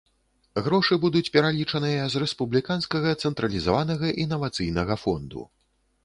Грошы будуць пералічаныя з рэспубліканскага цэнтралізаванага інавацыйнага фонду.